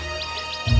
apa yang mereka lakukan